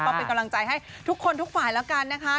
ก็เป็นกำลังใจให้ทุกคนทุกฝ่ายแล้วกันนะคะ